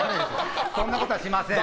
そんなことはしません。